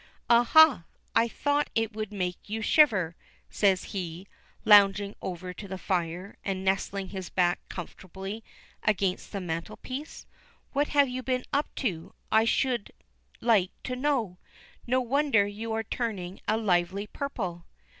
"Ah ha, I thought it would make you shiver," says he, lounging over to the fire, and nestling his back comfortably against the mantle piece. "What have you been up to I should like to know. No wonder you are turning a lively purple."